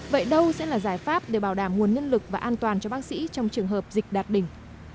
vậy đâu sẽ là giải pháp để bảo đảm nguồn nhân lực và an toàn cho bác sĩ trong trường hợp dịch đạt đỉnh